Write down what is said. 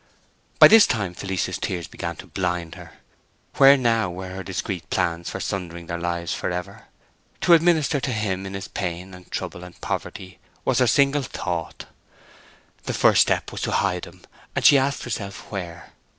By this time Felice's tears began to blind her. Where were now her discreet plans for sundering their lives forever? To administer to him in his pain, and trouble, and poverty, was her single thought. The first step was to hide him, and she asked herself where.